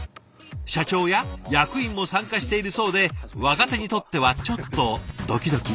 社長や役員も参加しているそうで若手にとってはちょっとドキドキ。